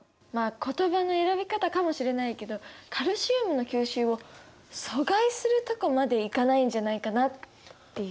言葉の選び方かもしれないけどカルシウムの吸収を阻害するとこまでいかないんじゃないかなっていう。